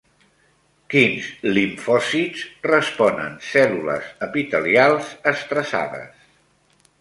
Quins limfòcits responen cèl·lules epitelials estressades?